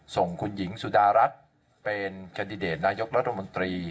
ส่งคุณหญิงสุดารัฐเป็นแคนดิเดตนายกรัฐมนตรี